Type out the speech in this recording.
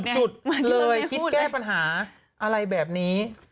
จุดเลยคิดแก้ปัญหาอะไรแบบนี้